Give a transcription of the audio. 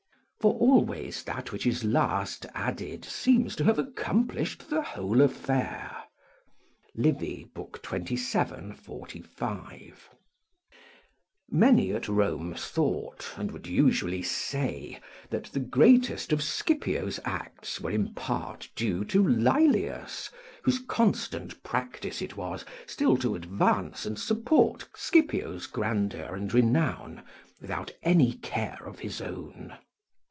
["For always that which is last added, seems to have accomplished the whole affair." Livy, xxvii. 45.] Many at Rome thought, and would usually say, that the greatest of Scipio's acts were in part due to Laelius, whose constant practice it was still to advance and support Scipio's grandeur and renown, without any care of his own.